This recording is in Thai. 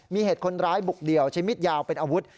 มีเหตุคนร้ายบุกเดี่ยวใช้มิดยาวเป็นอาวุธ